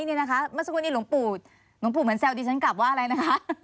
เมื่อสักครู่นี้หลวงปู่หลวงปู่เหมือนแซวดิฉันกลับว่าอะไรนะคะ